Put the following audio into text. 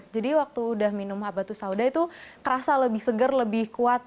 jadi waktu udah minum habatus sauda itu kerasa lebih seger lebih kuat